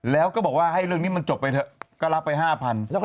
แล้วก็บอกว่าให้เรื่องนี้มันจบไปเถอะก็รับไป๕๐๐